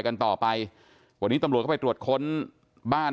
ของกลุ่มเขา